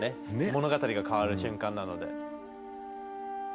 物語が変わる瞬間なので。